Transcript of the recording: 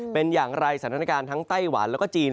เป็นอย่างไรสถานการณ์ทั้งไต้หวันแล้วก็จีน